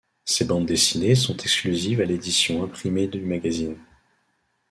Ces bandes dessinées sont exclusives à l'édition imprimée du magazine.